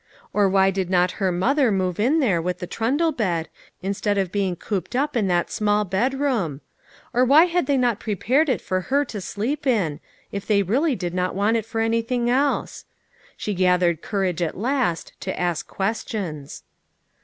Or why did not her mother move in there with the trundle bed, instead of being cooped up in that small bedroom ? Or why had they not prepared it for her to sleep in, if they really did not want it for anything else ? She gathered courage at last, to ask questions.